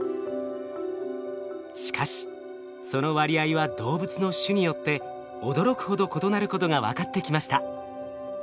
しかしその割合は動物の種によって驚くほど異なることが分かってきました。